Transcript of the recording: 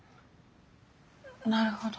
なるほど。